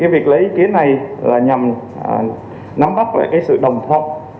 việc lấy ý kiến này là nhằm nắm bắt lại sự đồng thông